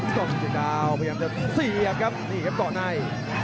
คนกินท้าพยายามจะเสียบครับนี่ครับต่อใน